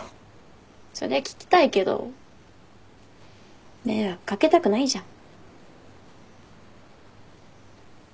そりゃ聞きたいけど迷惑掛けたくないじゃん。